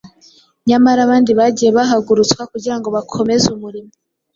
nyamara abandi bagiye bahagurutswa kugira ngo bakomeze umurimo.